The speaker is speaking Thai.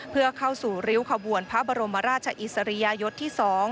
เพื่อเข้าสู่ริ้วขบวนพระบรมราชอิสริยยศที่๒